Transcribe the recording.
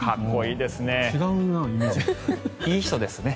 いい人ですね。